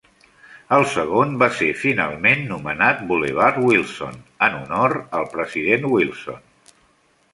El segon va ser finalment nomenat Bulevard Wilson en honor al president Wilson.